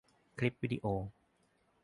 คลิปวีดิโอ